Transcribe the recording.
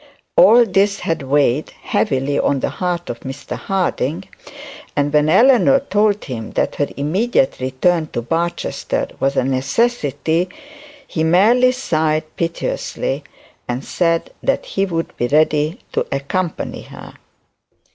All this had weighed heavily on the heart of Mr Harding; and when Eleanor told him that her immediate return to Barchester was a necessity, he merely sighed piteously, and said that he would be ready to accompany her.